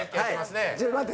ちょっと待って。